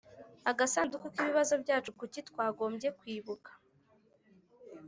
Agasanduku k ibibazo byacu kuki twagombye kwibuka